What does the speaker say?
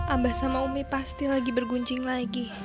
abah sama umi pasti lagi berguncing lagi